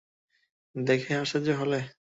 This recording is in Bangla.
দেখে আশ্চর্য হলে?